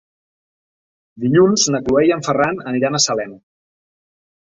Dilluns na Cloè i en Ferran aniran a Salem.